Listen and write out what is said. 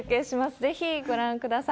ぜひご覧ください。